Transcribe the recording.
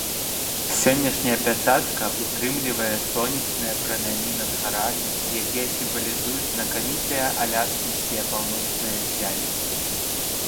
Сённяшняя пячатка ўтрымлівае сонечныя прамяні над гарамі, якія сімвалізуюць знакамітыя аляскінскія паўночныя ззянні.